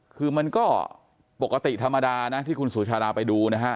คือมันก็ปกติธรรมดานะที่คุณสุชาดาไปดูนะฮะ